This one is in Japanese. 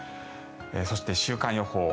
そして、週間予報。